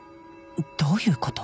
どういうこと？